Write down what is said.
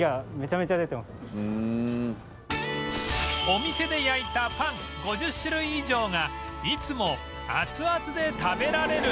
お店で焼いたパン５０種類以上がいつも熱々で食べられる